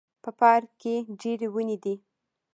په پارک کې ډیري وني دي